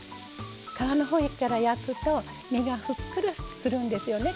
皮のほうから焼くと身がふっくらするんですよね。